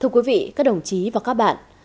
thưa quý vị các đồng chí và các bạn